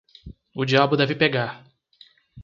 O diabo deve pegar!